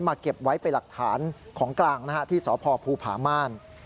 เก็บไว้เป็นหลักฐานของกลางที่สพภูผาม่าน